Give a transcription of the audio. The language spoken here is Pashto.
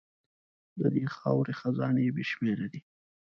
د دې خاورې خزانې بې شمېره دي.